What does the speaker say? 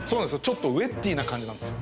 ちょっとウェッティーな感じなんですよ